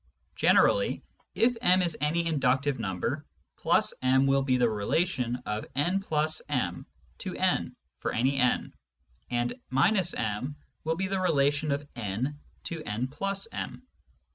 Generally, if m is any inductive number, \ m will be the relation of n \ m to n (for any n), and — m will be the relation of n to n \ m.